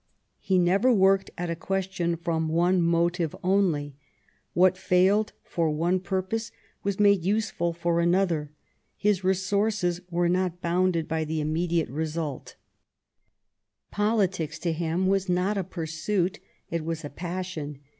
He never worked at a question from one motiye only ; what failed for one purpose was made useful for another; his resources were not bounded by the immediate result XI THE WORK OF WOLSEY 213 Politics to him was not a pursuit, it was a passion.